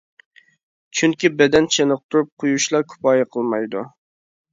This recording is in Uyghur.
چۈنكى، بەدەن چېنىقتۇرۇپ قويۇشلا كۇپايە قىلمايدۇ.